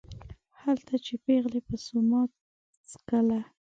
هلته چې پېغلې به سوما څکله